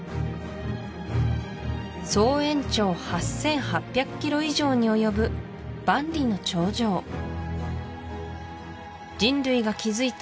総延長８８００ｋｍ以上に及ぶ万里の長城人類が築いた